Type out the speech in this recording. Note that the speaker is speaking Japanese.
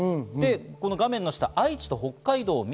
画面の下、愛知と北海道を見